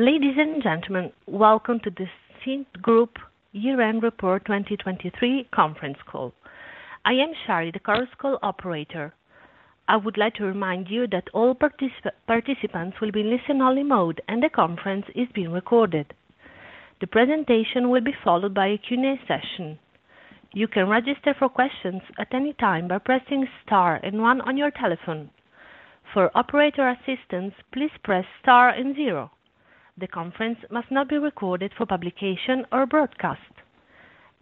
Ladies and gentlemen, welcome to the Cint Group Year-End Report 2023 conference call. I am Shari, the call operator. I would like to remind you that all participants will be in listen-only mode, and the conference is being recorded. The presentation will be followed by a Q&A session. You can register for questions at any time by pressing star and 1 on your telephone. For operator assistance, please press star and 0. The conference must not be recorded for publication or broadcast.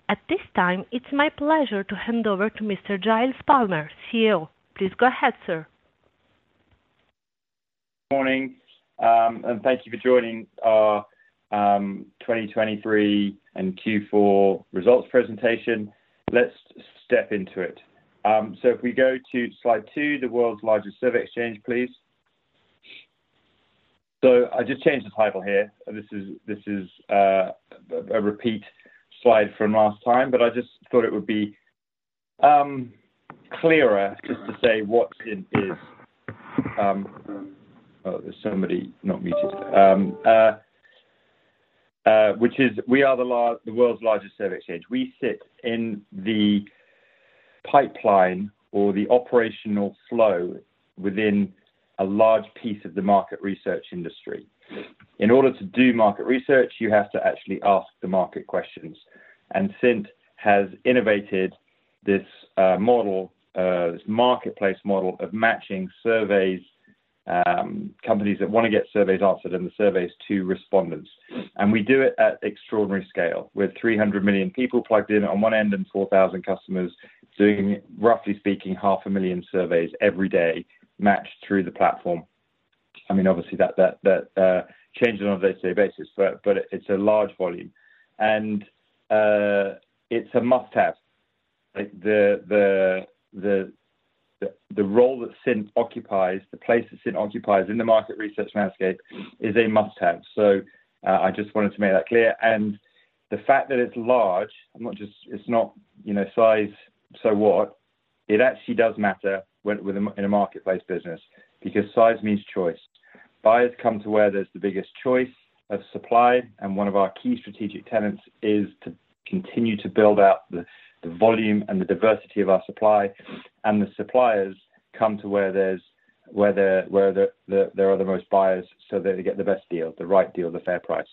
At this time, it's my pleasure to hand over to Mr. Giles Palmer, CEO. Please go ahead, sir. Morning, and thank you for joining our 2023 and Q4 results presentation. Let's step into it. So if we go to slide 2, the world's largest survey exchange, please. So I just changed the title here. This is a repeat slide from last time, but I just thought it would be clearer just to say what Cint is. Oh, there's somebody not muted. Which is, we are the world's largest survey exchange. We sit in the pipeline or the operational flow within a large piece of the market research industry. In order to do market research, you have to actually ask the market questions. And Cint has innovated this marketplace model of matching companies that want to get surveys answered and the surveys to respondents. And we do it at extraordinary scale. We have 300 million people plugged in on one end and 4,000 customers doing, roughly speaking, 500,000 surveys every day matched through the platform. I mean, obviously, that changes on a day-to-day basis, but it's a large volume. It's a must-have. The role that Cint occupies, the place that Cint occupies in the market research landscape is a must-have. I just wanted to make that clear. The fact that it's large, it's not size, so what? It actually does matter in a marketplace business because size means choice. Buyers come to where there's the biggest choice of supply, and one of our key strategic tenets is to continue to build out the volume and the diversity of our supply. The suppliers come to where there are the most buyers so that they get the best deal, the right deal, the fair price.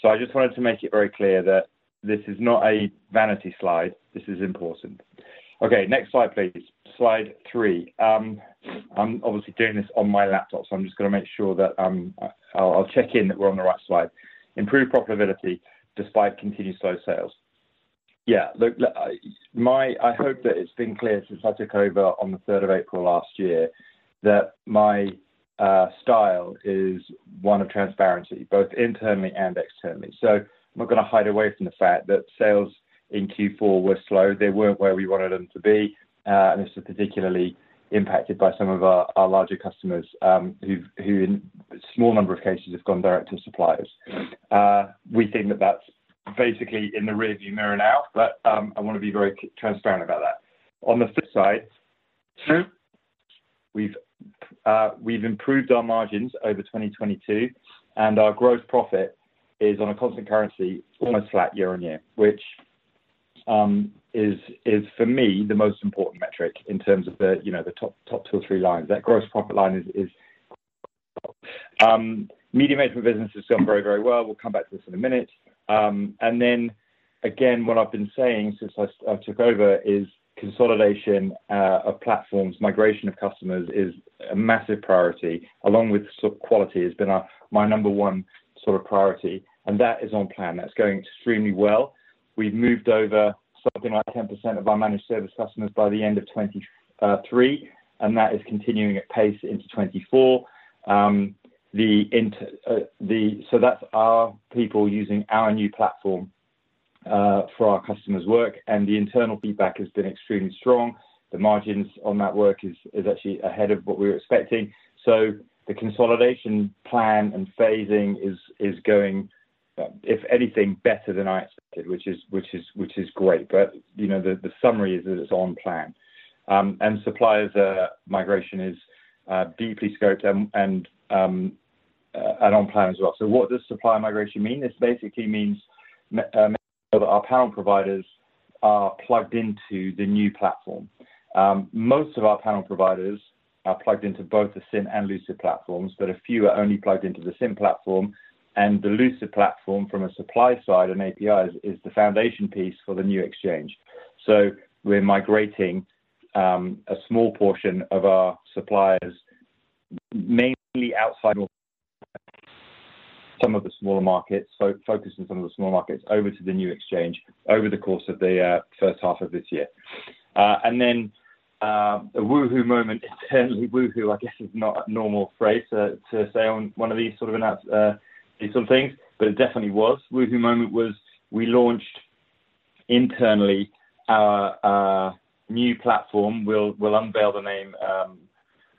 So I just wanted to make it very clear that this is not a vanity slide. This is important. Okay, next slide, please. Slide 3. I'm obviously doing this on my laptop, so I'm just going to make sure that I'll check in that we're on the right slide. Improve profitability despite continued slow sales. Yeah, look, I hope that it's been clear since I took over on the 3rd of April last year that my style is one of transparency, both internally and externally. So I'm not going to hide away from the fact that sales in Q4 were slow. They weren't where we wanted them to be. This was particularly impacted by some of our larger customers who, in a small number of cases, have gone direct to suppliers. We think that that's basically in the rearview mirror now, but I want to be very transparent about that. On the flip side, we've improved our margins over 2022, and our gross profit is on a constant currency, almost flat year on year, which is, for me, the most important metric in terms of the top two or three lines. That gross profit line is medium-sized businesses have gone very, very well. We'll come back to this in a minute. And then, again, what I've been saying since I took over is consolidation of platforms, migration of customers is a massive priority, along with quality has been my number one sort of priority. And that is on plan. That's going extremely well. We've moved over something like 10% of our managed service customers by the end of 2023, and that is continuing at pace into 2024. So that's our people using our new platform for our customers' work. And the internal feedback has been extremely strong. The margins on that work is actually ahead of what we were expecting. So the consolidation plan and phasing is going, if anything, better than I expected, which is great. But the summary is that it's on plan. And supplier migration is deeply scoped and on plan as well. So what does supplier migration mean? This basically means that our panel providers are plugged into the new platform. Most of our panel providers are plugged into both the Cint and Lucid platforms, but a few are only plugged into the Cint platform. And the Lucid platform, from a supply side, an API, is the foundation piece for the new exchange. So we're migrating a small portion of our suppliers, mainly outside some of the smaller markets, focusing on some of the smaller markets, over to the new exchange over the course of the first half of this year. And then the woohoo moment, internally woohoo, I guess, is not a normal phrase to say on one of these sort of these sort of things, but it definitely was. Woohoo moment was we launched internally our new platform. We'll unveil the name.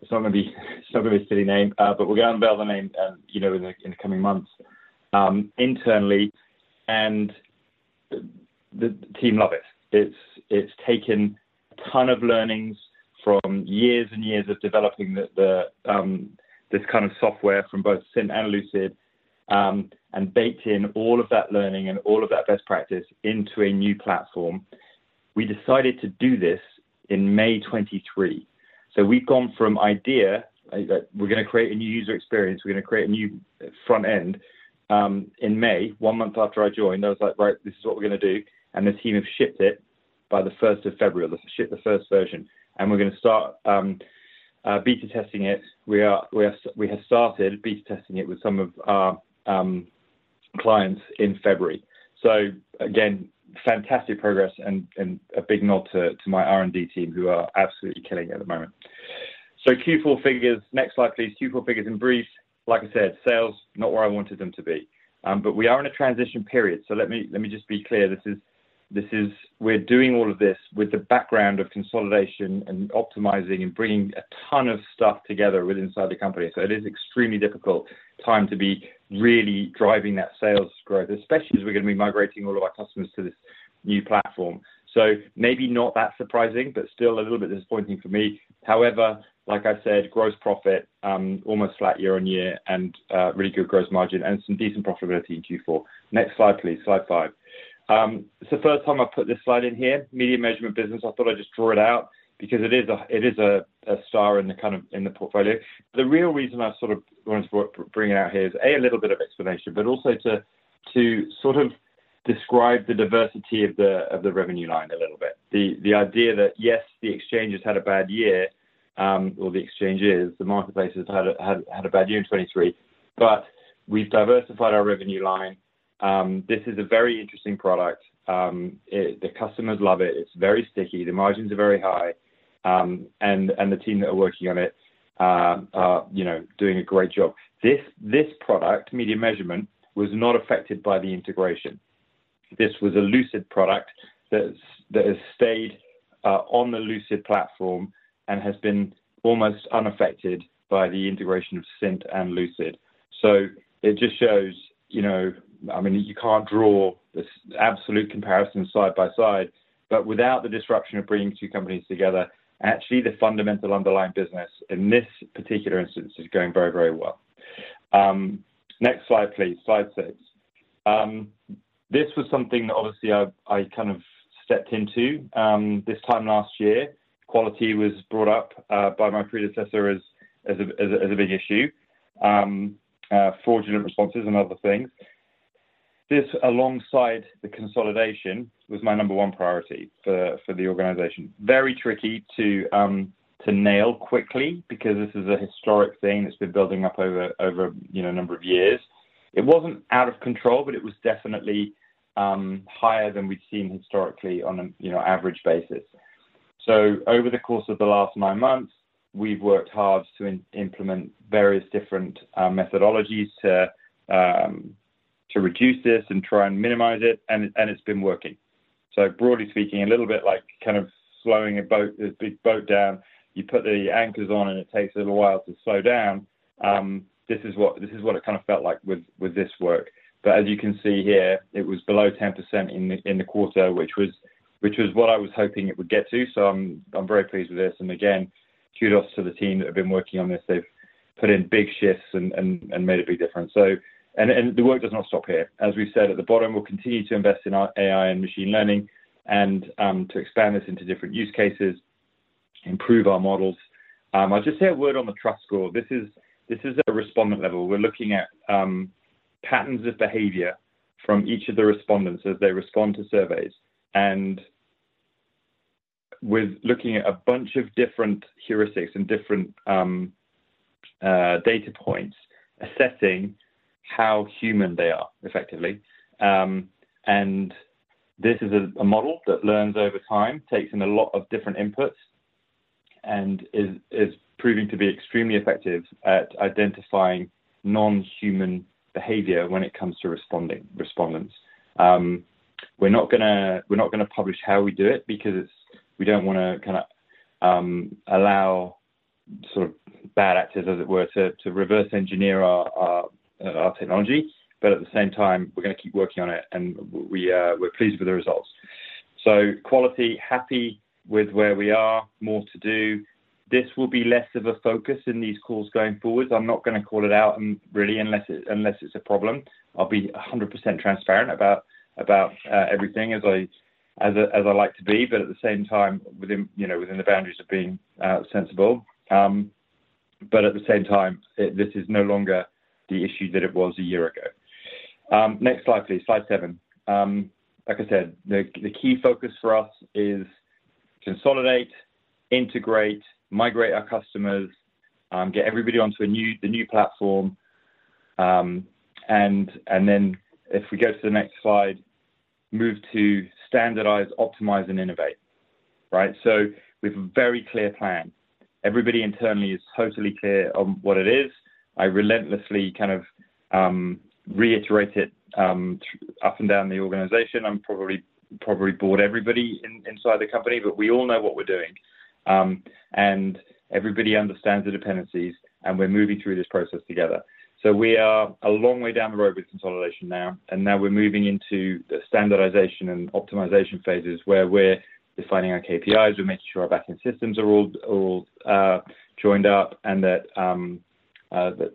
It's not going to be it's not going to be a silly name, but we're going to unveil the name in the coming months internally. And the team love it. It's taken a ton of learnings from years and years of developing this kind of software from both Cint and Lucid and baked in all of that learning and all of that best practice into a new platform. We decided to do this in May 2023. So we've gone from idea that we're going to create a new user experience. We're going to create a new front end. In May, one month after I joined, I was like, "Right, this is what we're going to do." And the team have shipped it by the 1st of February, shipped the first version. And we're going to start beta testing it. We have started beta testing it with some of our clients in February. So again, fantastic progress and a big nod to my R&D team who are absolutely killing it at the moment. So Q4 figures. Next slide, please. Q4 figures in brief. Like I said, sales, not where I wanted them to be. But we are in a transition period. So let me just be clear. We're doing all of this with the background of consolidation and optimizing and bringing a ton of stuff together within the company. So it is an extremely difficult time to be really driving that sales growth, especially as we're going to be migrating all of our customers to this new platform. So maybe not that surprising, but still a little bit disappointing for me. However, like I said, gross profit almost flat year-on-year and really good gross margin and some decent profitability in Q4. Next slide, please. Slide 5. It's the first time I've put this slide in here, media measurement business. I thought I'd just draw it out because it is a star in the kind of in the portfolio. The real reason I sort of wanted to bring it out here is, A, a little bit of explanation, but also to sort of describe the diversity of the revenue line a little bit. The idea that, yes, the exchange has had a bad year, or the exchange is, the marketplace has had a bad year in 2023, but we've diversified our revenue line. This is a very interesting product. The customers love it. It's very sticky. The margins are very high. And the team that are working on it are doing a great job. This product, media measurement, was not affected by the integration. This was a Lucid product that has stayed on the Lucid platform and has been almost unaffected by the integration of Cint and Lucid. So it just shows, I mean, you can't draw this absolute comparison side by side, but without the disruption of bringing two companies together, actually, the fundamental underlying business in this particular instance is going very, very well. Next slide, please. Slide 6. This was something that, obviously, I kind of stepped into this time last year. Quality was brought up by my predecessor as a big issue, fraudulent responses, and other things. This, alongside the consolidation, was my number one priority for the organization. Very tricky to nail quickly because this is a historic thing that's been building up over a number of years. It wasn't out of control, but it was definitely higher than we'd seen historically on an average basis. So over the course of the last nine months, we've worked hard to implement various different methodologies to reduce this and try and minimize it, and it's been working. So broadly speaking, a little bit like kind of slowing a big boat down. You put the anchors on, and it takes a little while to slow down. This is what it kind of felt like with this work. But as you can see here, it was below 10% in the quarter, which was what I was hoping it would get to. So I'm very pleased with this. And again, kudos to the team that have been working on this. They've put in big shifts and made a big difference. And the work does not stop here. As we said at the bottom, we'll continue to invest in AI and Machine Learning and to expand this into different use cases, improve our models. I'll just say a word on the Trust Score. This is at a respondent level. We're looking at patterns of behavior from each of the respondents as they respond to surveys and with looking at a bunch of different heuristics and different data points, assessing how human they are, effectively. And this is a model that learns over time, takes in a lot of different inputs, and is proving to be extremely effective at identifying non-human behavior when it comes to respondents. We're not going to publish how we do it because we don't want to kind of allow sort of bad actors, as it were, to reverse engineer our technology. But at the same time, we're going to keep working on it, and we're pleased with the results. So quality, happy with where we are, more to do. This will be less of a focus in these calls going forward. I'm not going to call it out, really, unless it's a problem. I'll be 100% transparent about everything as I like to be, but at the same time, within the boundaries of being sensible. But at the same time, this is no longer the issue that it was a year ago. Next slide, please. Slide 7. Like I said, the key focus for us is consolidate, integrate, migrate our customers, get everybody onto the new platform. And then if we go to the next slide, move to standardize, optimize, and innovate, right? So we have a very clear plan. Everybody internally is totally clear on what it is. I relentlessly kind of reiterate it up and down the organization. I've probably bored everybody inside the company, but we all know what we're doing. Everybody understands the dependencies, and we're moving through this process together. We are a long way down the road with consolidation now. Now we're moving into the standardization and optimization phases where we're defining our KPIs. We're making sure our backend systems are all joined up and that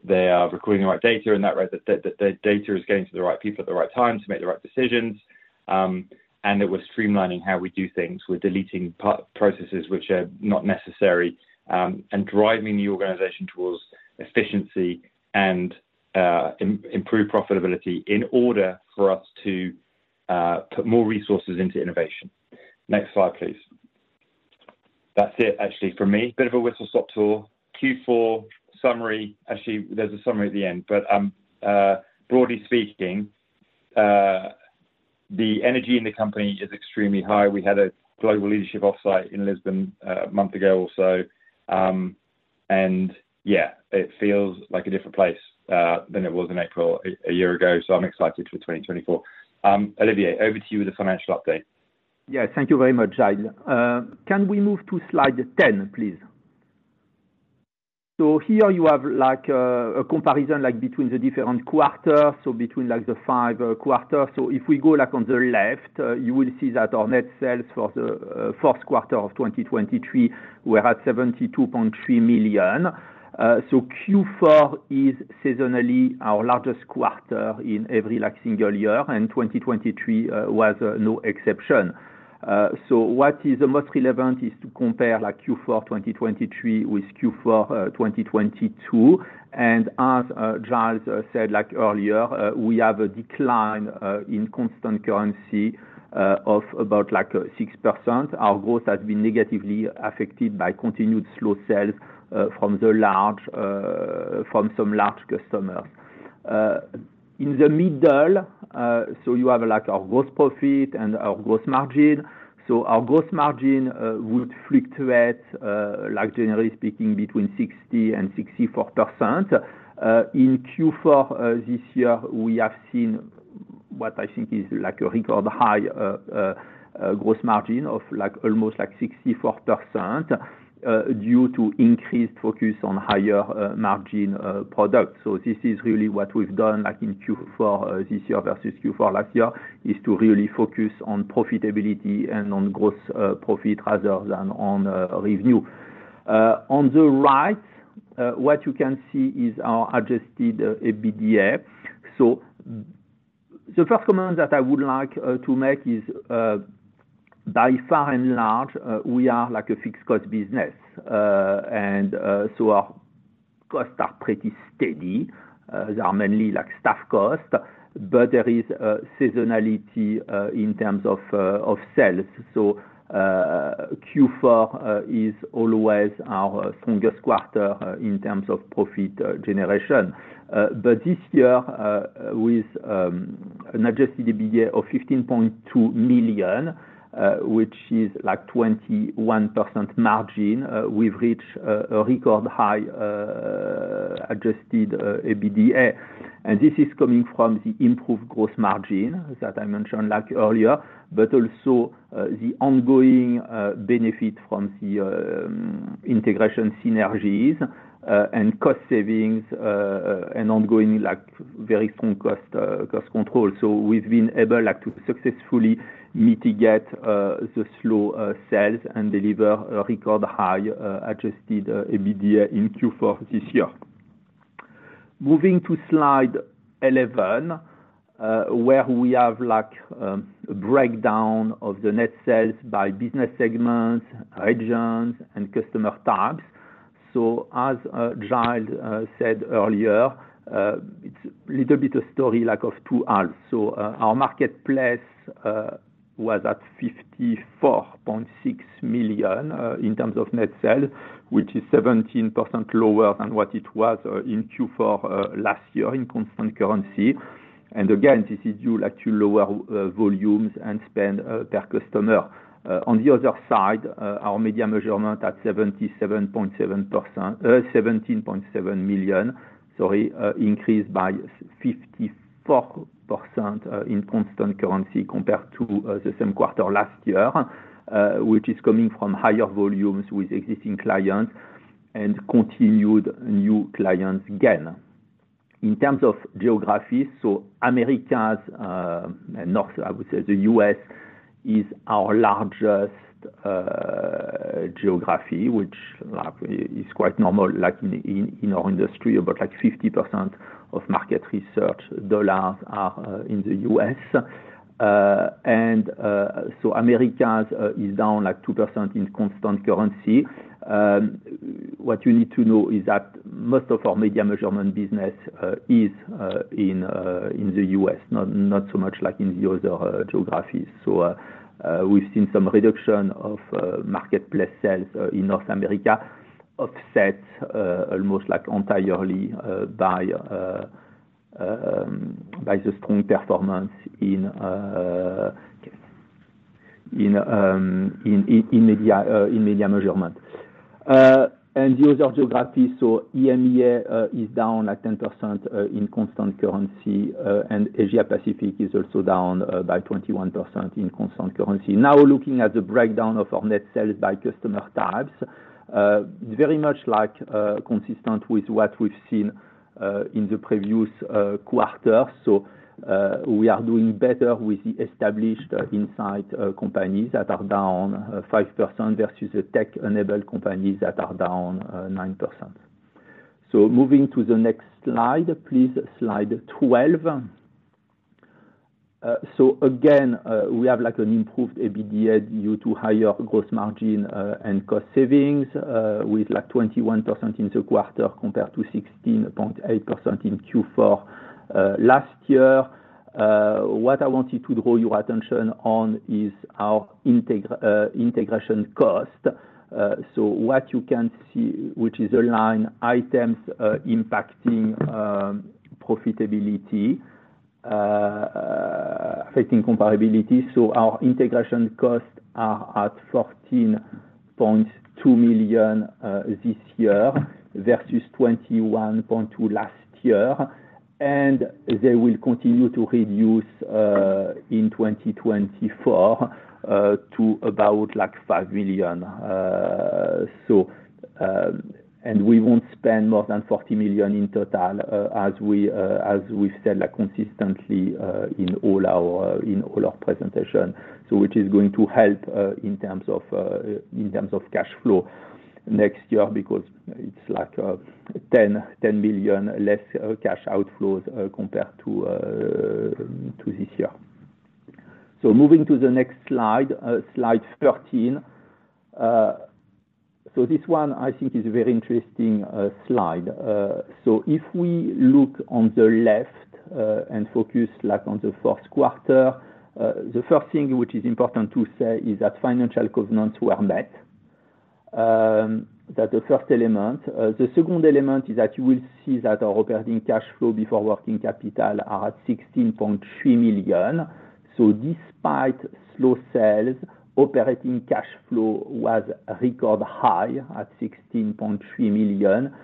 they are recording the right data and that data is getting to the right people at the right time to make the right decisions, and that we're streamlining how we do things. We're deleting processes which are not necessary and driving the organization towards efficiency and improved profitability in order for us to put more resources into innovation. Next slide, please. That's it, actually, for me. Bit of a whistle-stop tour. Q4 summary. Actually, there's a summary at the end. But broadly speaking, the energy in the company is extremely high. We had a global leadership offsite in Lisbon a month ago or so. And yeah, it feels like a different place than it was in April a year ago. So I'm excited for 2024. Olivier, over to you with the financial update. Yeah, thank you very much, Giles. Can we move to slide 10, please? So here you have a comparison between the different quarters, so between the five quarters. So if we go on the left, you will see that our Net Sales for the first quarter of 2023 were at 72.3 million. So Q4 is seasonally our largest quarter in every single year, and 2023 was no exception. So what is the most relevant is to compare Q4 2023 with Q4 2022. As Giles said earlier, we have a decline in constant currency of about 6%. Our growth has been negatively affected by continued slow sales from some large customers. In the middle, so you have our gross profit and our gross margin. So our gross margin would fluctuate, generally speaking, between 60%-64%. In Q4 this year, we have seen what I think is a record high gross margin of almost 64% due to increased focus on higher margin products. So this is really what we've done in Q4 this year versus Q4 last year, is to really focus on profitability and on gross profit rather than on revenue. On the right, what you can see is our adjusted EBITDA. So the first comment that I would like to make is, by and large, we are a fixed-cost business. So our costs are pretty steady. They are mainly staff costs. But there is seasonality in terms of sales. So Q4 is always our strongest quarter in terms of profit generation. But this year, with an Adjusted EBITDA of 15.2 million, which is 21% margin, we've reached a record high Adjusted EBITDA. And this is coming from the improved gross margin that I mentioned earlier, but also the ongoing benefit from the integration synergies and cost savings and ongoing very strong cost control. So we've been able to successfully mitigate the slow sales and deliver a record high Adjusted EBITDA in Q4 this year. Moving to slide 11, where we have a breakdown of the net sales by business segments, regions, and customer types. So as Giles said earlier, it's a little bit a story of two halves. So our marketplace was at 54.6 million in terms of net sales, which is 17% lower than what it was in Q4 last year in constant currency. And again, this is due to lower volumes and spend per customer. On the other side, our media measurement at 17.7 million increased by 54% in constant currency compared to the same quarter last year, which is coming from higher volumes with existing clients and continued new clients gain. In terms of geography, so Americas and north, I would say the US, is our largest geography, which is quite normal in our industry. About 50% of market research dollars are in the US. And so Americas is down 2% in constant currency. What you need to know is that most of our media measurement business is in the US, not so much in the other geographies. So we've seen some reduction of marketplace sales in North America, offset almost entirely by the strong performance in media measurement. The other geography, so EMEA is down 10% in constant currency, and Asia-Pacific is also down by 21% in constant currency. Now looking at the breakdown of our net sales by customer types, it's very much consistent with what we've seen in the previous quarters. So we are doing better with the established insight companies that are down 5% versus the tech-enabled companies that are down 9%. So moving to the next slide, please, slide 12. So again, we have an improved EBITDA due to higher gross margin and cost savings with 21% in the quarter compared to 16.8% in Q4 last year. What I wanted to draw your attention on is our integration cost. So what you can see, which is a line items impacting comparability. So our integration costs are at 14.2 million this year versus 21.2 million last year. And they will continue to reduce in 2024 to about 5 million. And we won't spend more than 40 million in total, as we've said consistently in all our presentations, which is going to help in terms of cash flow next year because it's 10 million less cash outflows compared to this year. So moving to the next slide, slide 13. So this one, I think, is a very interesting slide. So if we look on the left and focus on the fourth quarter, the first thing which is important to say is that financial covenants were met, that's the first element. The second element is that you will see that our operating cash flow before working capital are at 16.3 million. So despite slow sales, operating cash flow was record high at 16.3 million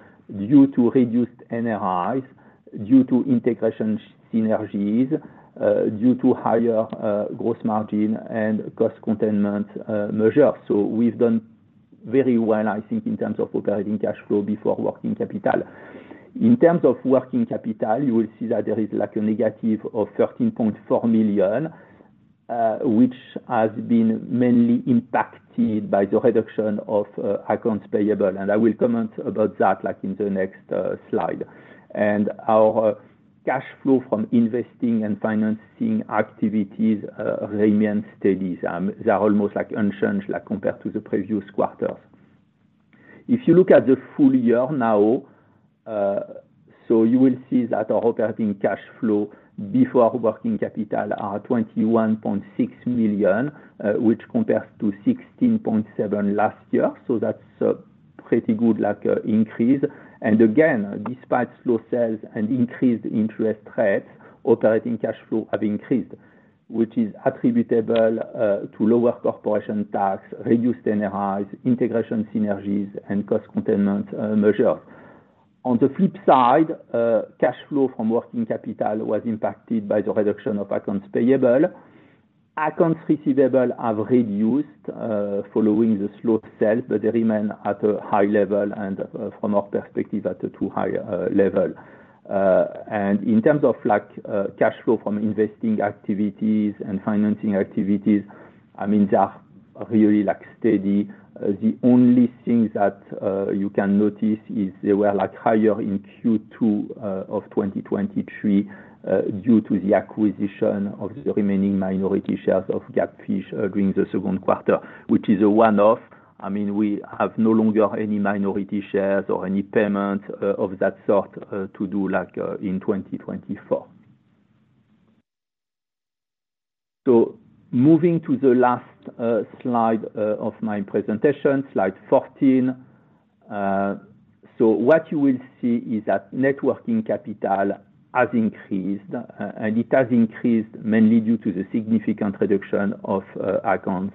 due to reduced NRIs, due to integration synergies, due to higher gross margin and cost containment measures. So we've done very well, I think, in terms of operating cash flow before working capital. In terms of working capital, you will see that there is a negative of 13.4 million, which has been mainly impacted by the reduction of accounts payable. I will comment about that in the next slide. Our cash flow from investing and financing activities remained steady. They are almost unchanged compared to the previous quarters. If you look at the full year now, so you will see that our operating cash flow before working capital are 21.6 million, which compares to 16.7 million last year. So that's a pretty good increase. And again, despite slow sales and increased interest rates, operating cash flow has increased, which is attributable to lower corporation tax, reduced NRIs, integration synergies, and cost containment measures. On the flip side, cash flow from working capital was impacted by the reduction of accounts payable. Accounts receivable have reduced following the slow sales, but they remain at a high level and, from our perspective, at a too high level. And in terms of cash flow from investing activities and financing activities, I mean, they are really steady. The only thing that you can notice is they were higher in Q2 of 2023 due to the acquisition of the remaining minority shares of GapFish during the second quarter, which is a one-off. I mean, we have no longer any minority shares or any payments of that sort to do in 2024. Moving to the last slide of my presentation, slide 14. What you will see is that net working capital has increased. It has increased mainly due to the significant reduction of accounts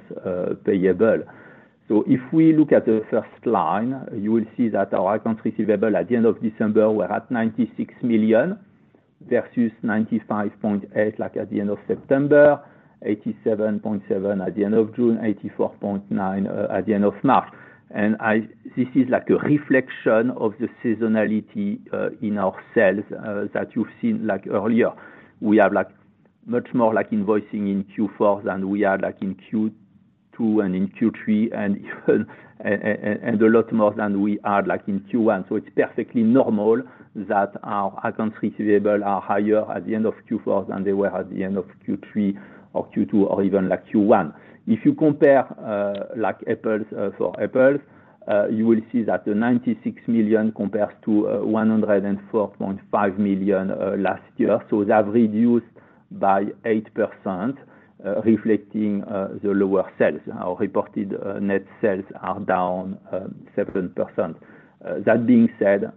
payable. If we look at the first line, you will see that our accounts receivable at the end of December were at 96 million versus 95.8 million at the end of September, 87.7 million at the end of June, 84.9 million at the end of March. This is a reflection of the seasonality in our sales that you've seen earlier. We have much more invoicing in Q4 than we had in Q2 and in Q3 and even a lot more than we had in Q1. It's perfectly normal that our accounts receivable are higher at the end of Q4 than they were at the end of Q3 or Q2 or even Q1. If you compare for apples, you will see that the 96 million compares to 104.5 million last year. So they have reduced by 8%, reflecting the lower sales. Our reported net sales are down 7%. That being said,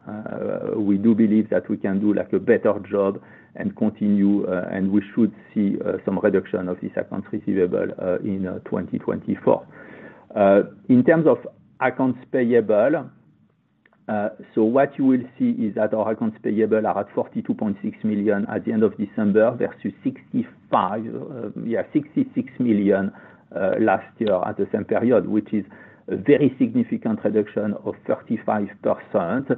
we do believe that we can do a better job and continue, and we should see some reduction of these accounts receivable in 2024. In terms of accounts payable, so what you will see is that our accounts payable are at 42.6 million at the end of December versus 65 million last year at the same period, which is a very significant reduction of 35%,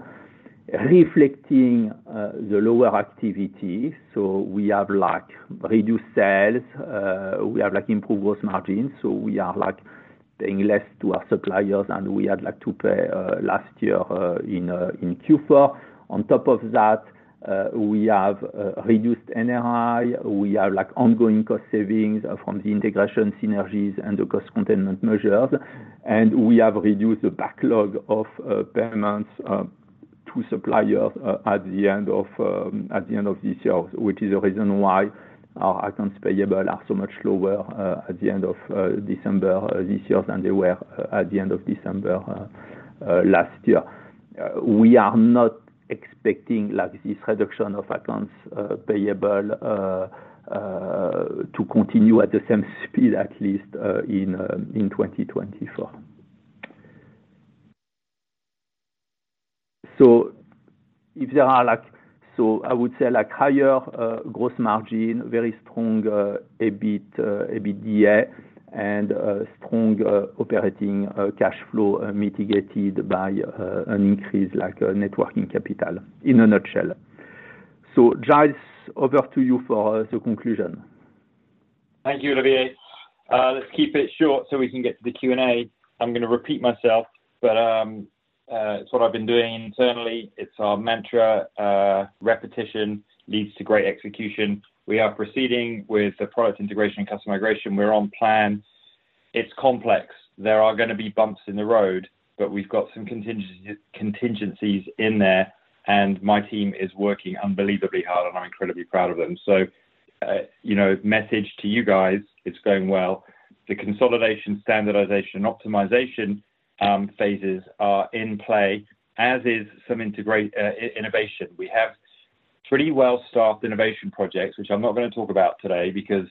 reflecting the lower activity. So we have reduced sales. We have improved gross margins. So we are paying less to our suppliers than we had to pay last year in Q4. On top of that, we have reduced NRI. We have ongoing cost savings from the integration synergies and the cost containment measures. We have reduced the backlog of payments to suppliers at the end of this year, which is the reason why our accounts payable are so much lower at the end of December this year than they were at the end of December last year. We are not expecting this reduction of accounts payable to continue at the same speed, at least in 2024. So if there are so I would say higher gross margin, very strong EBITDA, and strong operating cash flow mitigated by an increase in working capital, in a nutshell. So Giles, over to you for the conclusion. Thank you, Olivier. Let's keep it short so we can get to the Q&A. I'm going to repeat myself. It's what I've been doing internally. It's our mantra: repetition leads to great execution. We are proceeding with the product integration and customer migration. We're on plan. It's complex. There are going to be bumps in the road. We've got some contingencies in there. My team is working unbelievably hard. I'm incredibly proud of them. Message to you guys: it's going well. The consolidation, standardization, and optimization phases are in play, as is some innovation. We have pretty well-staffed innovation projects, which I'm not going to talk about today because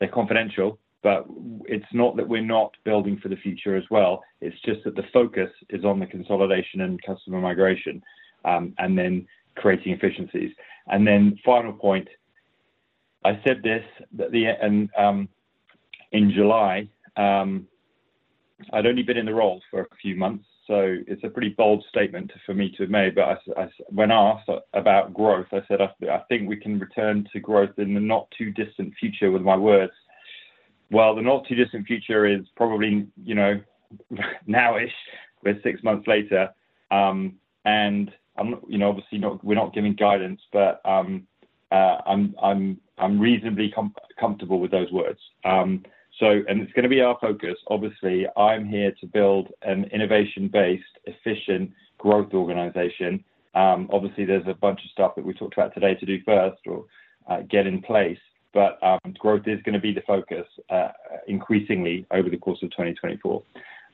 they're confidential. It's not that we're not building for the future as well. It's just that the focus is on the consolidation and customer migration and then creating efficiencies. Final point, I said this in July. I'd only been in the role for a few months. It's a pretty bold statement for me to have made. But when asked about growth, I said, "I think we can return to growth in the not-too-distant future," with my words. Well, the not-too-distant future is probably now-ish. We're six months later. And obviously, we're not giving guidance. But I'm reasonably comfortable with those words. And it's going to be our focus. Obviously, I'm here to build an innovation-based, efficient growth organization. Obviously, there's a bunch of stuff that we talked about today to do first or get in place. But growth is going to be the focus increasingly over the course of 2024.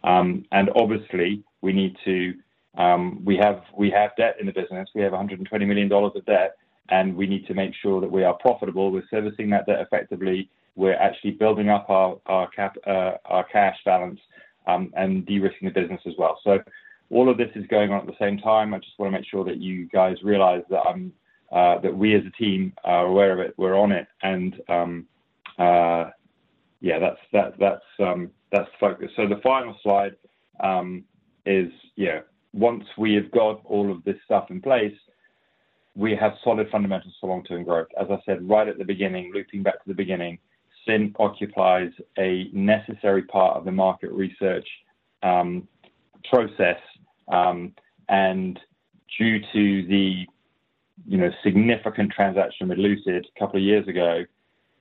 And obviously, we need to have debt in the business. We have $120 million of debt. And we need to make sure that we are profitable. We're servicing that debt effectively. We're actually building up our cash balance and de-risking the business as well. So all of this is going on at the same time. I just want to make sure that you guys realize that we, as a team, are aware of it. We're on it. Yeah, that's the focus. The final slide is, once we have got all of this stuff in place, we have solid fundamentals for long-term growth. As I said right at the beginning, looping back to the beginning, Cint occupies a necessary part of the market research process. Due to the significant transaction with Lucid a couple of years ago,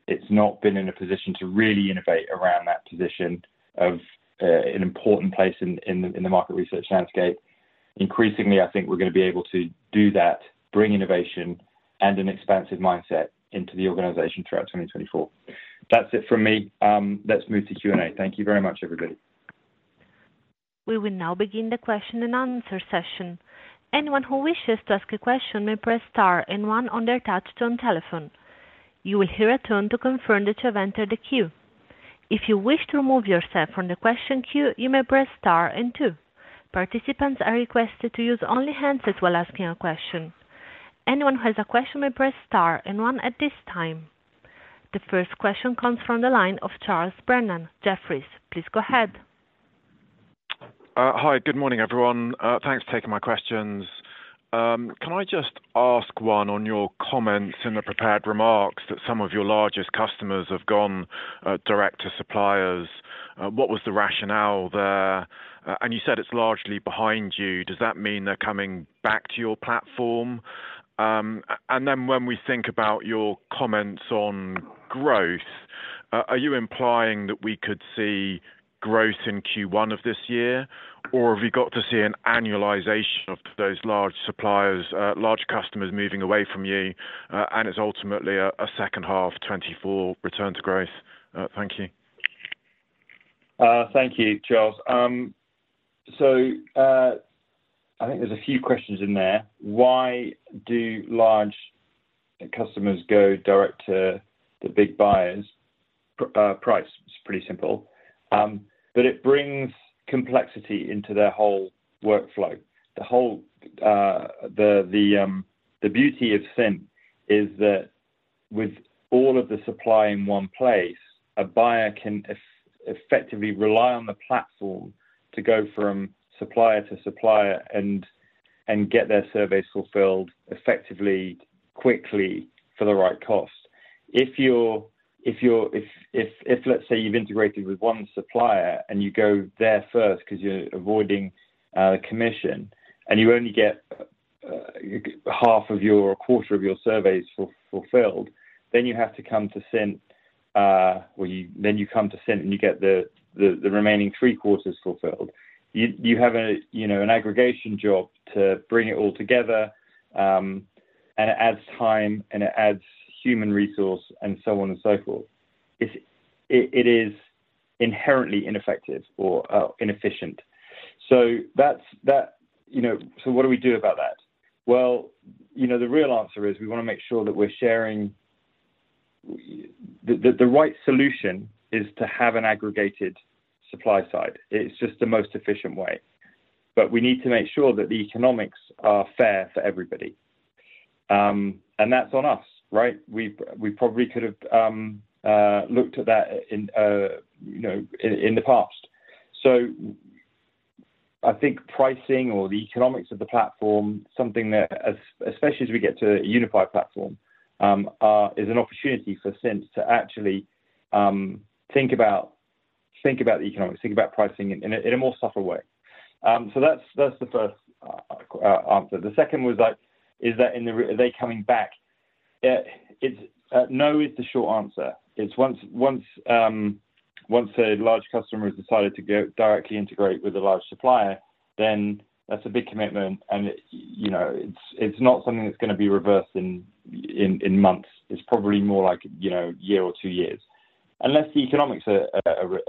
it's not been in a position to really innovate around that position of an important place in the market research landscape. Increasingly, I think we're going to be able to do that, bring innovation and an expansive mindset into the organization throughout 2024. That's it from me. Let's move to Q&A. Thank you very much, everybody. We will now begin the question-and-answer session. Anyone who wishes to ask a question may press star and one on their touch-tone telephone. You will hear a tone to confirm that you have entered the queue. If you wish to remove yourself from the question queue, you may press star and two. Participants are requested to use only handset while asking a question. Anyone who has a question may press star and one at this time. The first question comes from the line of Charles Brennan. Jefferies, please go ahead. Hi. Good morning, everyone. Thanks for taking my questions. Can I just ask one on your comments in the prepared remarks that some of your largest customers have gone direct to suppliers? What was the rationale there? And you said it's largely behind you. Does that mean they're coming back to your platform? And then when we think about your comments on growth, are you implying that we could see growth in Q1 of this year? Or have you got to see an annualization of those large customers moving away from you and it's ultimately a second half 2024 return to growth? Thank you. Thank you, Charles. So I think there's a few questions in there. Why do large customers go direct to the big buyers? Price. It's pretty simple. But it brings complexity into their whole workflow. The beauty of Cint is that with all of the supply in one place, a buyer can effectively rely on the platform to go from supplier to supplier and get their surveys fulfilled effectively, quickly for the right cost. If you're, let's say, you've integrated with one supplier and you go there first because you're avoiding the commission and you only get half or quarter of your surveys fulfilled, then you have to come to Cint. Well, then you come to Cint and you get the remaining three-quarters fulfilled. You have an aggregation job to bring it all together. And it adds time. And it adds human resource and so on and so forth. It is inherently ineffective or inefficient. So what do we do about that? Well, the real answer is we want to make sure that we're sharing the right solution is to have an aggregated supply side. It's just the most efficient way. But we need to make sure that the economics are fair for everybody. And that's on us, right? We probably could have looked at that in the past. So I think pricing or the economics of the platform, something that especially as we get to a unified platform, is an opportunity for Cint to actually think about the economics, think about pricing in a more subtle way. So that's the first answer. The second was, is that are they coming back? No is the short answer. Once a large customer has decided to directly integrate with a large supplier, then that's a big commitment. And it's not something that's going to be reversed in months. It's probably more like a year or two years unless the economics are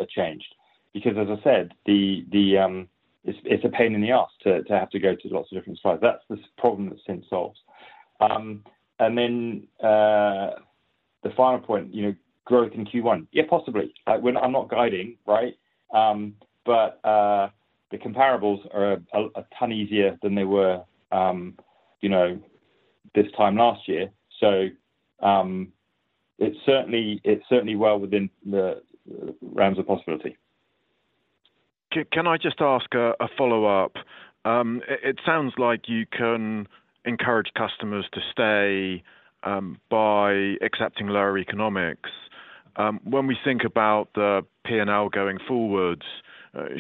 changed. Because, as I said, it's a pain in the ass to have to go to lots of different suppliers. That's the problem that Cint solves. And then the final point, growth in Q1. Yeah, possibly. I'm not guiding, right? But the comparables are a ton easier than they were this time last year. So it's certainly well within the realms of possibility. Can I just ask a follow-up? It sounds like you can encourage customers to stay by accepting lower economics. When we think about the P&L going forwards,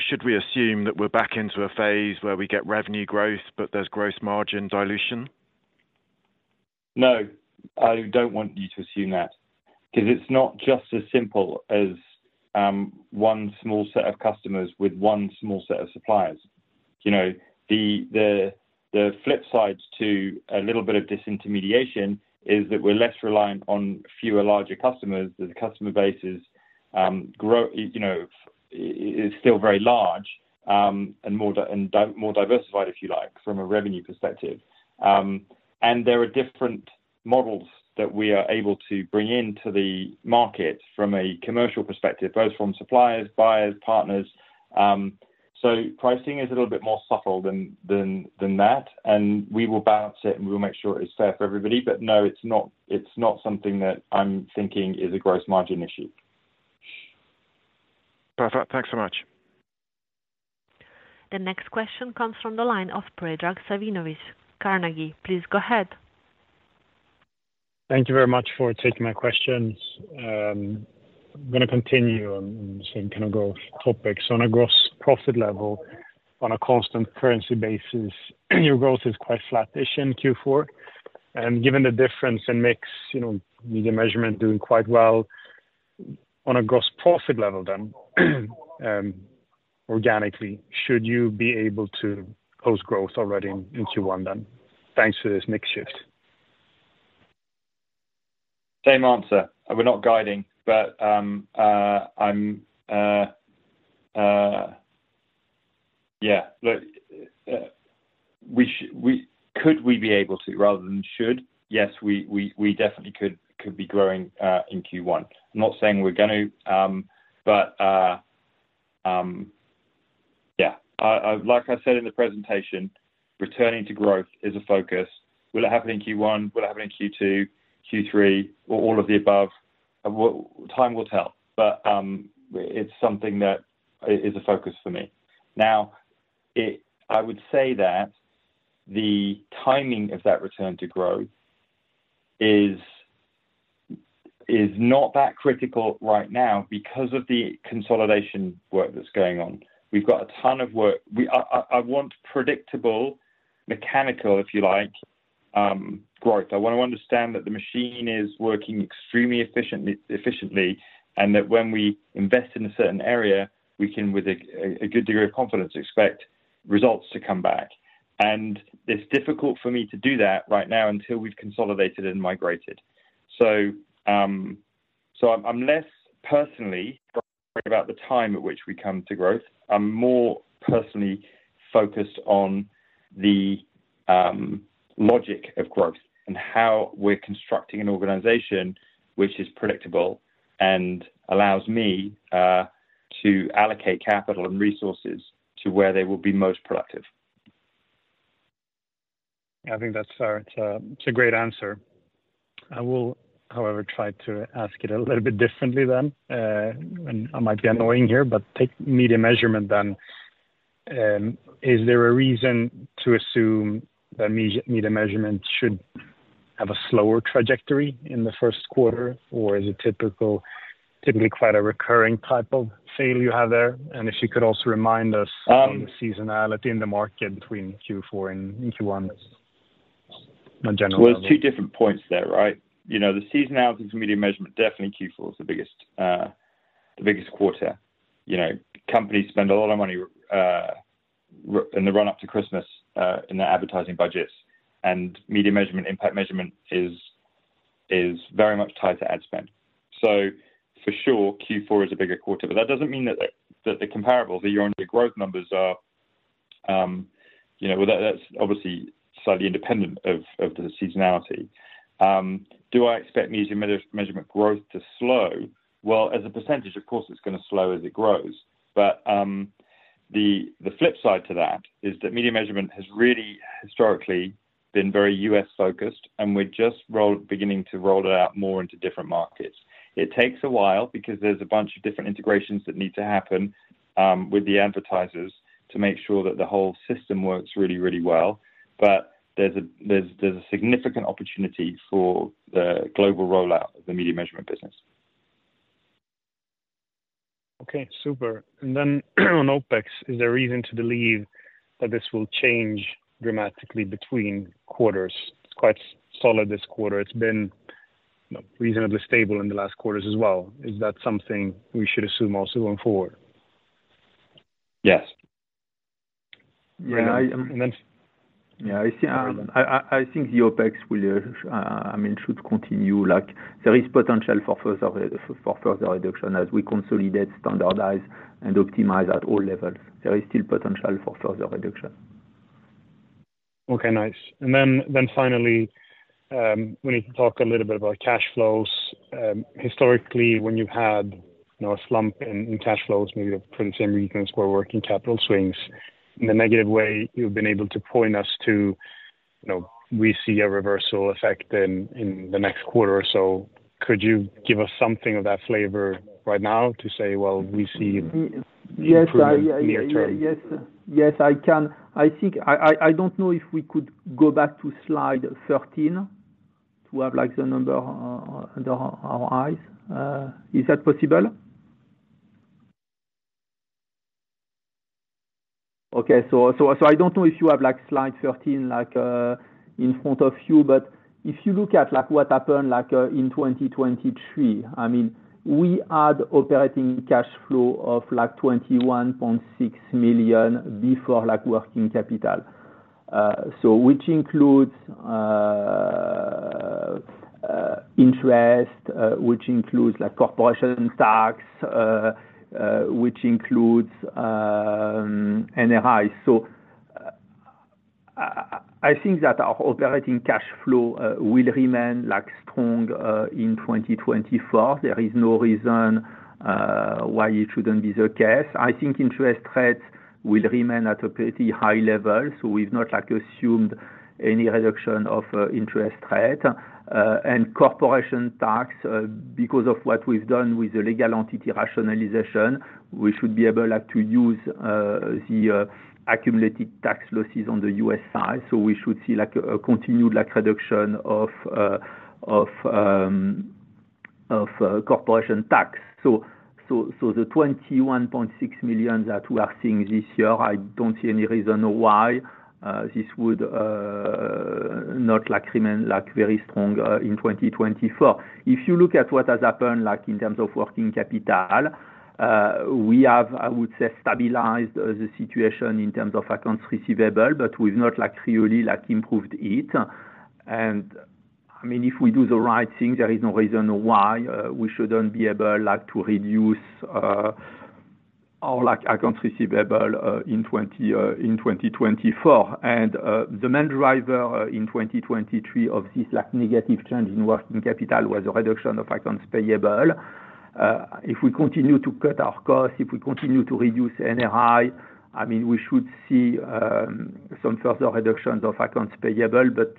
should we assume that we're back into a phase where we get revenue growth but there's gross margin dilution? No. I don't want you to assume that because it's not just as simple as one small set of customers with one small set of suppliers. The flip side to a little bit of disintermediation is that we're less reliant on fewer larger customers. The customer base is still very large and more diversified, if you like, from a revenue perspective. There are different models that we are able to bring into the market from a commercial perspective, both from suppliers, buyers, partners. So pricing is a little bit more subtle than that. We will balance it. We will make sure it's fair for everybody. But no, it's not something that I'm thinking is a gross margin issue. Perfect. Thanks so much. The next question comes from the line of Predrag Savinovic, Carnegie. Please go ahead. Thank you very much for taking my questions. I'm going to continue on the same kind of growth topic. So on a gross profit level, on a constant currency basis, your growth is quite flatish in Q4. Given the difference in mix, media measurement doing quite well, on a gross profit level then, organically, should you be able to post-growth already in Q1, then, thanks to this mix shift? Same answer. We're not guiding. But yeah, look, could we be able to rather than should? Yes, we definitely could be growing in Q1. I'm not saying we're going to. But yeah, like I said in the presentation, returning to growth is a focus. Will it happen in Q1? Will it happen in Q2, Q3, or all of the above? Time will tell. But it's something that is a focus for me. Now, I would say that the timing of that return to growth is not that critical right now because of the consolidation work that's going on. We've got a ton of work. I want predictable, mechanical, if you like, growth. I want to understand that the machine is working extremely efficiently and that when we invest in a certain area, we can, with a good degree of confidence, expect results to come back. It's difficult for me to do that right now until we've consolidated and migrated. I'm less personally worried about the time at which we come to growth. I'm more personally focused on the logic of growth and how we're constructing an organization which is predictable and allows me to allocate capital and resources to where they will be most productive. I think that's a great answer. I will, however, try to ask it a little bit differently then. I might be annoying here. Take media measurement then. Is there a reason to assume that media measurement should have a slower trajectory in the first quarter? Or is it typically quite a recurring type of failure you have there? And if you could also remind us on the seasonality in the market between Q4 and Q1, a general number? Well, it's two different points there, right? The seasonality for media measurement, definitely Q4 is the biggest quarter. Companies spend a lot of money in the run-up to Christmas in their advertising budgets. Media measurement, impact measurement, is very much tied to ad spend. For sure, Q4 is a bigger quarter. That doesn't mean that the comparables, the year-over-year growth numbers are well, that's obviously slightly independent of the seasonality. Do I expect media measurement growth to slow? Well, as a percentage, of course, it's going to slow as it grows. The flip side to that is that media measurement has really historically been very U.S.-focused. We're just beginning to roll it out more into different markets. It takes a while because there's a bunch of different integrations that need to happen with the advertisers to make sure that the whole system works really, really well. But there's a significant opportunity for the global rollout of the media measurement business. Okay. Super. And then on OpEx, is there a reason to believe that this will change dramatically between quarters? It's quite solid this quarter. It's been reasonably stable in the last quarters as well. Is that something we should assume also going forward? Yes. And then yeah, I think the OpEx, I mean, should continue. There is potential for further reduction as we consolidate, standardize, and optimize at all levels. There is still potential for further reduction. Okay. Nice. And then finally, we need to talk a little bit about cash flows. Historically, when you've had a slump in cash flows, maybe for the same reasons we're working capital swings, in a negative way, you've been able to point us to, "We see a reversal effect in the next quarter or so." Could you give us something of that flavor right now to say, "Well, we see it in the near term"? Yes. Yes. Yes. I don't know if we could go back to slide 13 to have the number under our eyes. Is that possible? Okay. So I don't know if you have slide 13 in front of you. But if you look at what happened in 2023, I mean, we had operating cash flow of 21.6 million before working capital, which includes interest, which includes corporation tax, which includes NRI. So I think that our operating cash flow will remain strong in 2024. There is no reason why it shouldn't be the case. I think interest rates will remain at a pretty high level. So we've not assumed any reduction of interest rate. And corporation tax, because of what we've done with the legal entity rationalization, we should be able to use the accumulated tax losses on the U.S. side. So we should see continued reduction of corporation tax. So the 21.6 million that we are seeing this year, I don't see any reason why this would not remain very strong in 2024. If you look at what has happened in terms of working capital, we have, I would say, stabilized the situation in terms of accounts receivable. But we've not really improved it. And I mean, if we do the right thing, there is no reason why we shouldn't be able to reduce our accounts receivable in 2024. The main driver in 2023 of this negative change in working capital was the reduction of accounts payable. If we continue to cut our costs, if we continue to reduce NRI, I mean, we should see some further reductions of accounts payable. But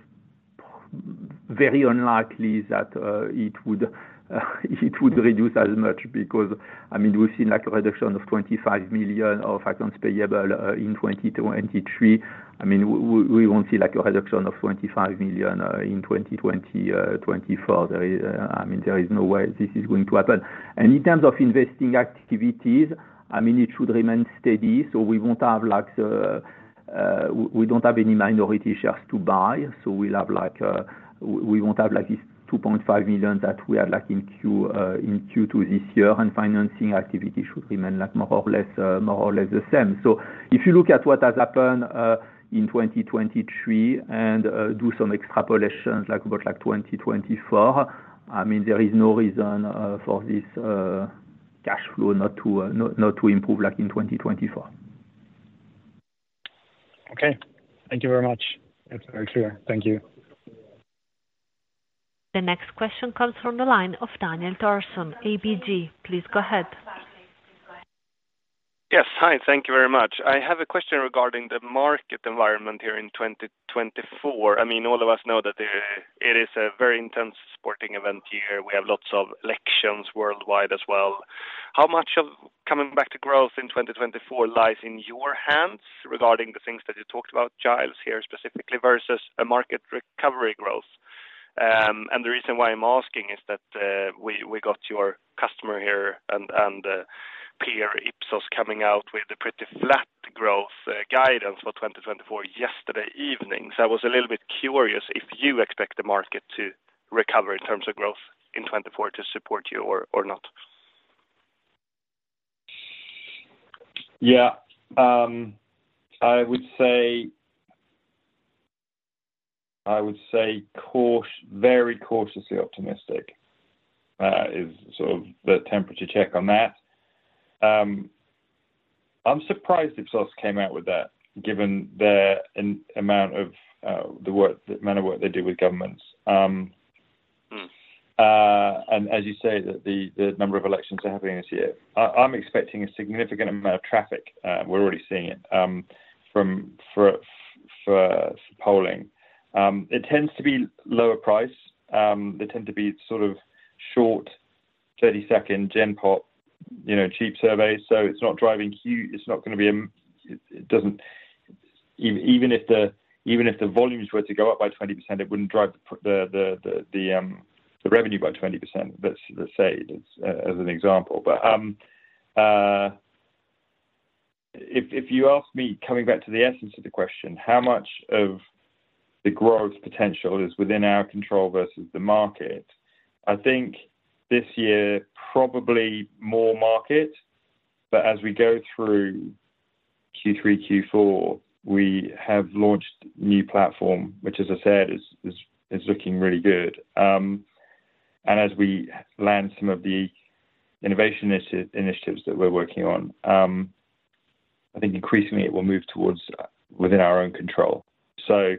very unlikely that it would reduce as much because, I mean, we've seen a reduction of 25 million of accounts payable in 2023. I mean, we won't see a reduction of 25 million in 2024. I mean, there is no way this is going to happen. In terms of investing activities, I mean, it should remain steady. So we won't have. We don't have any minority shares to buy. So we won't have these 2.5 million that we had in Q2 this year. And financing activity should remain more or less the same. So if you look at what has happened in 2023 and do some extrapolations about 2024, I mean, there is no reason for this cash flow not to improve in 2024. Okay. Thank you very much. It's very clear. Thank you. The next question comes from the line of Daniel Thorsson, ABG. Please go ahead. Yes. Hi. Thank you very much. I have a question regarding the market environment here in 2024. I mean, all of us know that it is a very intense sporting event year. We have lots of elections worldwide as well. How much of coming back to growth in 2024 lies in your hands regarding the things that you talked about, Giles, here specifically versus a market recovery growth? The reason why I'm asking is that we got your customer here and peer Ipsos coming out with a pretty flat growth guidance for 2024 yesterday evening. I was a little bit curious if you expect the market to recover in terms of growth in 2024 to support you or not. Yeah. I would say very cautiously optimistic is sort of the temperature check on that. I'm surprised Ipsos came out with that given the amount of the amount of work they do with governments and, as you say, the number of elections that are happening this year. I'm expecting a significant amount of traffic. We're already seeing it for polling. It tends to be lower price. They tend to be sort of short, 30-second, Genpop, cheap surveys. So it's not driving huge. It's not going to be an even if the volumes were to go up by 20%, it wouldn't drive the revenue by 20%, let's say, as an example. But if you ask me, coming back to the essence of the question, how much of the growth potential is within our control versus the market, I think this year, probably more market. But as we go through Q3, Q4, we have launched new platform, which, as I said, is looking really good. And as we land some of the innovation initiatives that we're working on, I think increasingly, it will move towards within our own control. So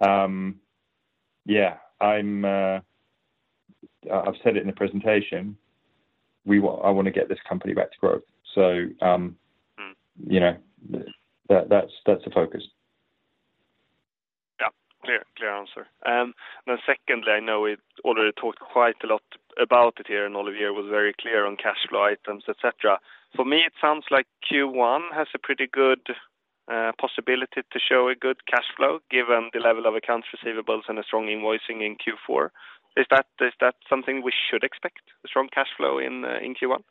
yeah, I've said it in the presentation. I want to get this company back to growth. So that's the focus. Yeah. Clear. Clear answer. And then secondly, I know we've already talked quite a lot about it here. Olivier was very clear on cash flow items, etc. For me, it sounds like Q1 has a pretty good possibility to show a good cash flow given the level of accounts receivables and a strong invoicing in Q4. Is that something we should expect, a strong cash flow in Q1?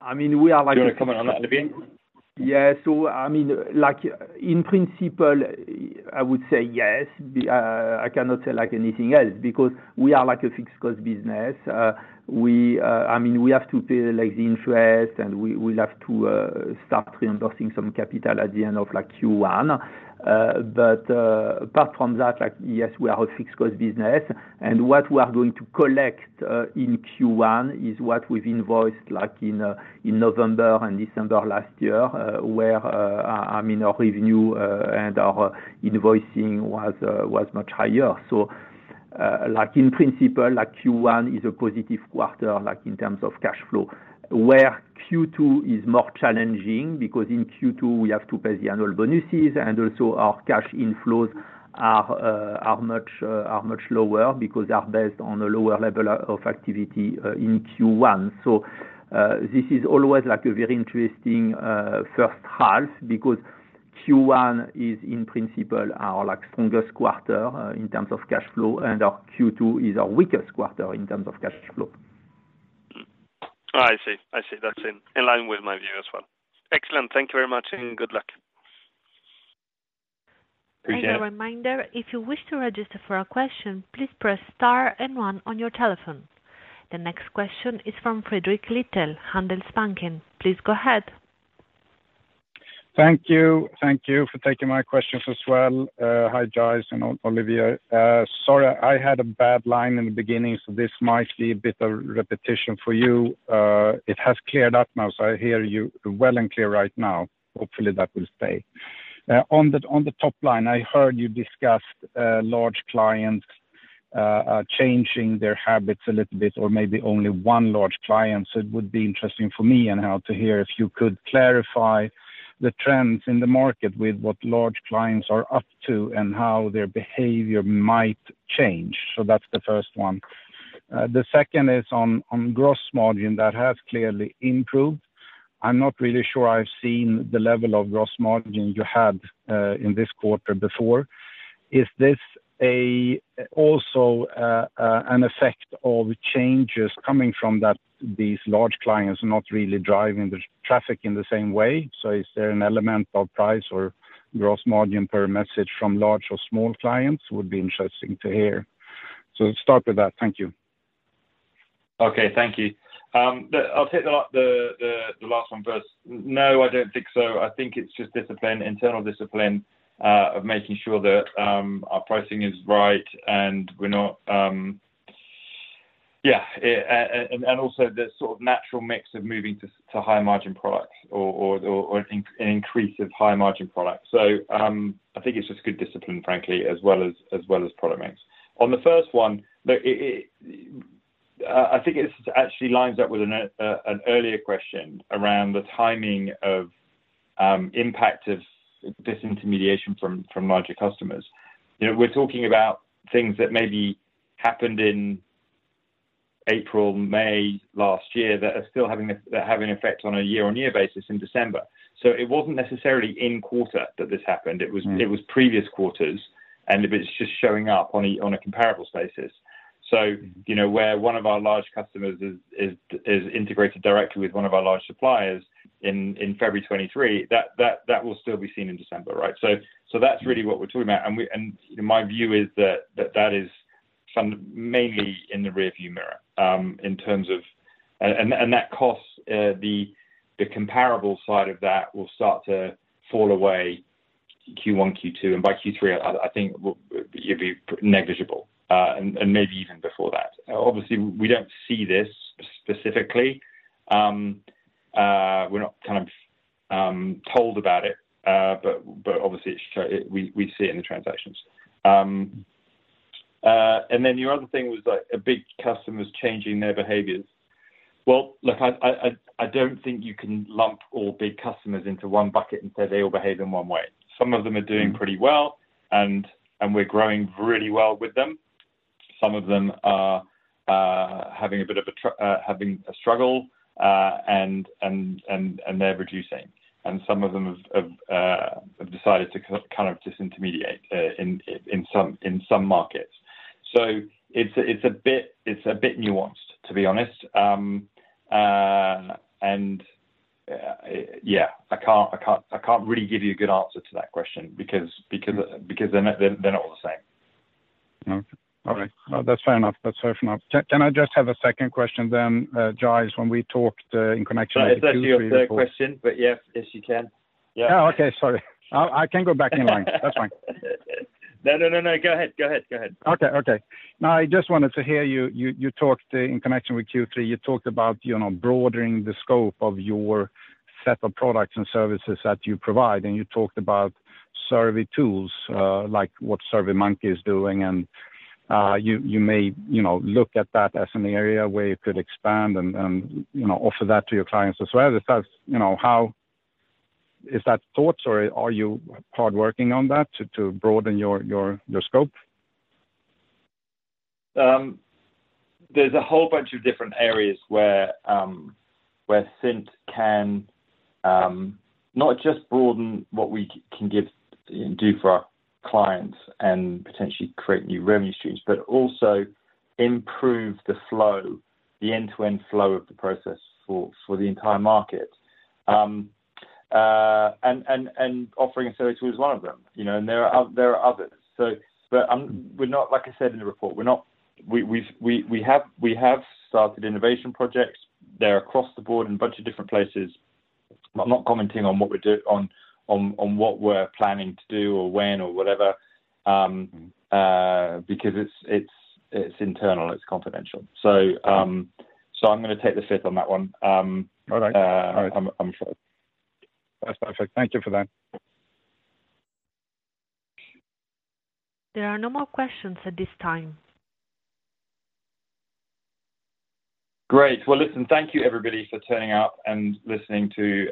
I mean, Do you want to comment on that, Olivier? Yeah. So I mean, in principle, I would say yes. I cannot say anything else because we are a fixed-cost business. I mean, we have to pay the interest. We'll have to start reimbursing some capital at the end of Q1. But apart from that, yes, we are a fixed-cost business. What we are going to collect in Q1 is what we've invoiced in November and December last year where, I mean, our revenue and our invoicing was much higher. So in principle, Q1 is a positive quarter in terms of cash flow where Q2 is more challenging because in Q2, we have to pay the annual bonuses. And also, our cash inflows are much lower because they are based on a lower level of activity in Q1. So this is always a very interesting first half because Q1 is, in principle, our strongest quarter in terms of cash flow. And Q2 is our weakest quarter in terms of cash flow. I see. I see. That's in line with my view as well. Excellent. Thank you very much. And good luck. Appreciate it. And as a reminder, if you wish to register for a question, please press star and one on your telephone. The next question is from Fredrick Lithell, Handelsbanken. Please go ahead. Thank you. Thank you for taking my questions as well. Hi, Giles and Olivier. Sorry, I had a bad line in the beginning. So this might be a bit of repetition for you. It has cleared up now. So I hear you well and clear right now. Hopefully, that will stay. On the top line, I heard you discuss large clients changing their habits a little bit or maybe only one large client. So it would be interesting for me and how to hear if you could clarify the trends in the market with what large clients are up to and how their behavior might change. So that's the first one. The second is on gross margin. That has clearly improved. I'm not really sure I've seen the level of gross margin you had in this quarter before. Is this also an effect of changes coming from these large clients not really driving the traffic in the same way? So is there an element of price or gross margin per message from large or small clients? It would be interesting to hear. So start with that. Thank you. Okay. Thank you. I'll take the last one first. No, I don't think so. I think it's just internal discipline of making sure that our pricing is right and we're not yeah. And also, the sort of natural mix of moving to high-margin products or an increase of high-margin products. So I think it's just good discipline, frankly, as well as product mix. On the first one, I think it actually lines up with an earlier question around the timing of impact of this intermediation from larger customers. We're talking about things that maybe happened in April, May last year that are still having an effect on a year-on-year basis in December. So it wasn't necessarily in quarter that this happened. It was previous quarters. It's just showing up on a comparable basis. So where one of our large customers is integrated directly with one of our large suppliers. In February 2023, that will still be seen in December, right? So that's really what we're talking about. My view is that that is mainly in the rearview mirror in terms of and that cost. The comparable side of that will start to fall away Q1, Q2. By Q3, I think it'll be negligible and maybe even before that. Obviously, we don't see this specifically. We're not kind of told about it. But obviously, we see it in the transactions. Your other thing was big customers changing their behaviors. Well, look, I don't think you can lump all big customers into one bucket and say they all behave in one way. Some of them are doing pretty well. And we're growing really well with them. Some of them are having a bit of a struggle. And they're reducing. And some of them have decided to kind of disintermediate in some markets. So it's a bit nuanced, to be honest. And yeah, I can't really give you a good answer to that question because they're not all the same. Okay. All right. That's fair enough. That's fair enough. Can I just have a second question then, Giles, when we talked in connection with Q3 of Q4? Yeah. Is that your question? But yes. Yes, you can. Yeah. Oh, okay. Sorry. I can go back in line. That's fine. No, no, no, no. Go ahead. Go ahead. Go ahead. Okay. Okay. Now, I just wanted to hear you talked in connection with Q3. You talked about broadening the scope of your set of products and services that you provide. You talked about survey tools like what SurveyMonkey is doing. You may look at that as an area where you could expand and offer that to your clients as well. Is that thoughts? Or are you hardworking on that to broaden your scope? There's a whole bunch of different areas where Cint can not just broaden what we can do for our clients and potentially create new revenue streams but also improve the end-to-end flow of the process for the entire market, and offering survey tools is one of them. And there are others. But like I said in the report, we have started innovation projects. They're across the board in a bunch of different places. I'm not commenting on what we're doing on what we're planning to do or when or whatever because it's internal. It's confidential. So I'm going to pass on that one. I'm sure. All right. That's perfect. Thank you for that. There are no more questions at this time. Great. Well, listen, thank you, everybody, for turning up and listening to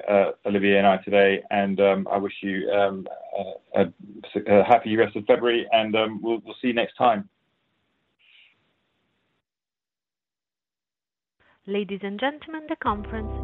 Olivier and I today. And I wish you a happy rest of February. And we'll see you next time. Ladies and gentlemen, the conference is now.